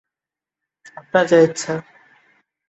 আপনার যা ইচ্ছা।